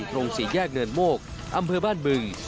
ตรงสี่แยกเนินโมกอำเภอบ้านบึง